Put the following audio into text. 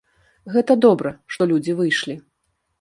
Гэта добра, што людзі выйшлі.